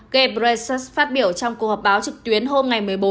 ghebreyesus phát biểu trong cuộc họp báo trực tuyến hôm một mươi bốn một mươi hai